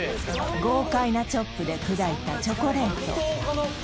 豪快なチョップで砕いたチョコレート